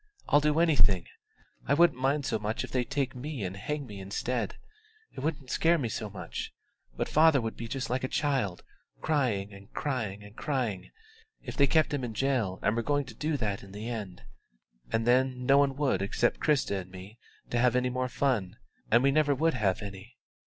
I'll do anything; I wouldn't mind so much if they'd take me and hang me instead it wouldn't scare me so much: but father would be just like a child, crying and crying and crying, if they kept him in jail and were going to do that in the end. And then no one would expect Christa and me to have any more fun, and we never would have any.